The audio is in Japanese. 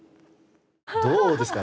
どうですか？